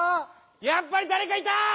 やっぱりだれかいた！